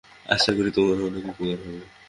আশা করি, তোমার অনেক উপকার হবে।